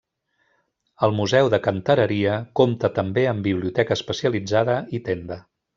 El Museu de Cantereria compta també amb biblioteca especialitzada i tenda.